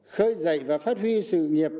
khơi dậy và phát huy sự nghiệp